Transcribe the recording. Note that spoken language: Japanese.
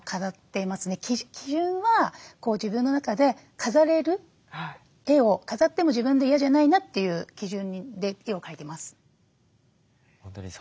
基準は自分の中で飾れる絵を飾っても自分で嫌じゃないなっていう基準で絵を描いてます。